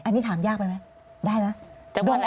อันนี้ถามยากไปไหมได้นะ